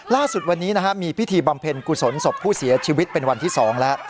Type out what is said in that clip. ล่าสุดวันนี้มีพิธีบำเพ็ญกุศลศพผู้เสียชีวิตเป็นวันที่๒แล้ว